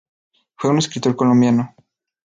Fue un Escritor Colombiano.